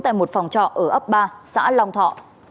tại một phòng trọ ở ấp ba xã long thọ